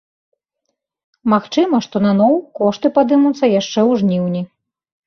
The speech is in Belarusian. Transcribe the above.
Магчыма, што наноў кошты падымуцца яшчэ ў жніўні.